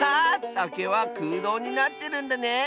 たけはくうどうになってるんだね！